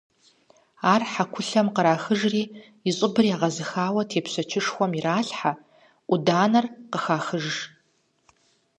Ар хьэкулъэм кърахыжри, и щӀыбыр егъэзыхауэ тепщэчышхуэм иралъхьэ, Ӏуданэхэр къыхахыж.